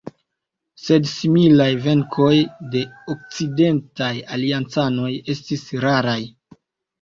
Sed similaj venkoj de okcidentaj aliancanoj estis raraj.